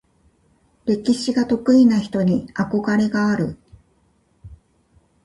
歴史が得意な人に憧れがある。